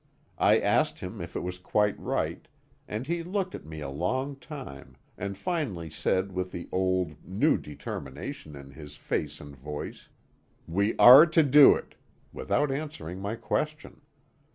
I asked him if it was quite right, and he looked at me a long time, and finally said with the old, new determination in his face and voice: "We are to do it," without answering my question.